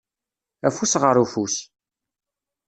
Afus ɣer ufus.